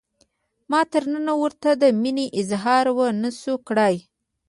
ما تر ننه ورته د مینې اظهار ونشو کړای.